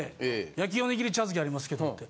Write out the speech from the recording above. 焼きおにぎり茶漬けありますけどって。